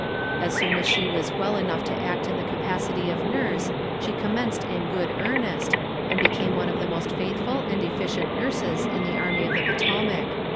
As soon as she was well enough to act in the capacity of nurse she commenced in good earnest, and became one of the most faithful and efficient nurses in the army of the Potomac.